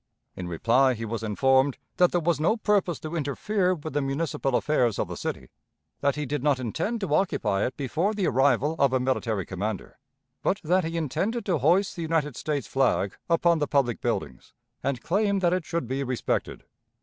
In reply he was informed that there was no purpose to interfere with the municipal affairs of the city; that he did not intend to occupy it before the arrival of a military commander, but that he intended to hoist the United States flag upon the public buildings, and claim that it should be respected.